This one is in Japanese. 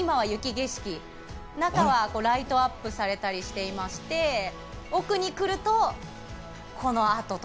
今は雪景色、中はライトアップされたりしていまして、奥に来るとこのアート。